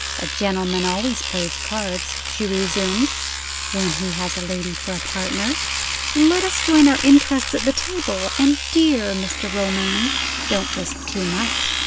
"A gentleman always plays cards," she resumed, "when he has a lady for a partner. Let us join our interests at the table and, dear Mr. Romayne, don't risk too much!"